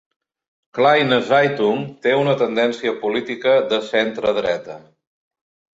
"Kleine Zeitung" té una tendència política de centredreta.